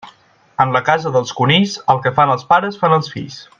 En la casa dels conills, el que fan els pares fan els fills.